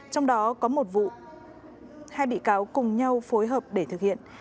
trong đó có một vụ hai bị cáo cùng nhau phối hợp để thực hiện